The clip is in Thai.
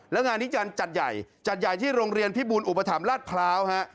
แล้วงานนี้จะจัดใหญ่จัดใหญ่ที่โรงเรียนพิบูลอุปถัมภ์ราชพร้าวฮะ